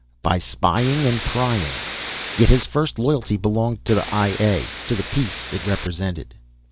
By spying and prying. Yet, his first loyalty belonged to the I A, to the peace it represented.